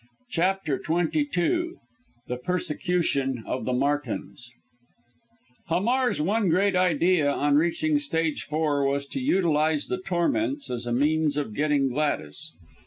] CHAPTER XXII THE PERSECUTION OF THE MARTINS Hamar's one great idea on reaching stage four was to utilize the torments as a means of getting Gladys.